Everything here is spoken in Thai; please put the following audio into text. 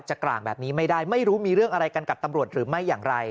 กลางแบบนี้ไม่ได้ไม่รู้มีเรื่องอะไรกันกับตำรวจหรือไม่อย่างไร